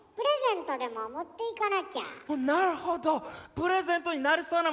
プレゼントになりそうなもの